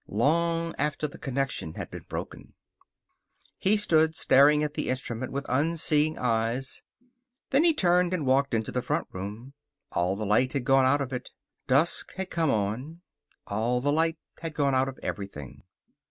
Long after the connection had been broken. He stood staring at the instrument with unseeing eyes. Then he turned and walked into the front room. All the light had gone out of it. Dusk had come on. All the light had gone out of everything.